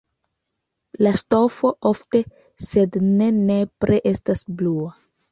La ŝtofo ofte, sed ne nepre estas blua.